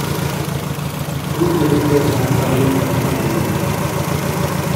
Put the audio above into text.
Ribéride vint parler à Dubourg.